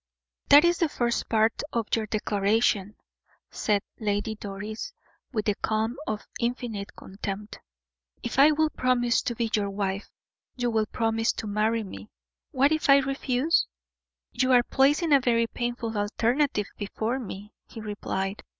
"That is the first part of your declaration," said Lady Doris, with the calm of infinite contempt; "if I will promise to be your wife, you will promise to marry me. What if I refuse?" "You are placing a very painful alternative before me," he replied.